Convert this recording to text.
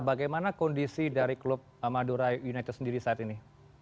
bagaimana kondisi dari klub madura united sendiri saat ini